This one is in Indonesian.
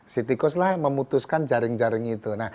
si tikuslah yang memutuskan jaring jaring itu